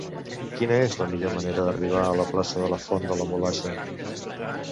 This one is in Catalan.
Quina és la millor manera d'arribar a la plaça de la Font de la Mulassa?